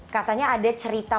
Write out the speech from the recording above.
katanya ada cerita menarik ya